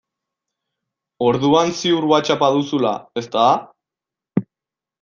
Orduan ziur Whatsapp-a duzula, ezta?